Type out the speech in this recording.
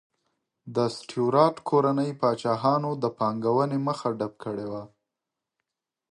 د سټیورات کورنۍ پاچاهانو د پانګونې مخه ډپ کړې وه.